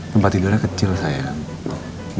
tempat tidurnya kecil sayang